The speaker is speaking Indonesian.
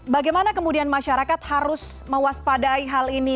bagaimana kemudian masyarakat harus mewaspadai hal ini